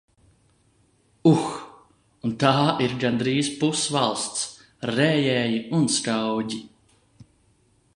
Uh... Un tā ir gandrīz pus valsts. Rējēji un skauģi.